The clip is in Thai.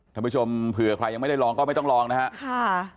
ท่านผู้ชมเผื่อใครยังไม่ได้ลองก็ไม่ต้องลองนะครับ